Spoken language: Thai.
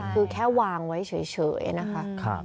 คือแค่วางไว้เฉยนะคะ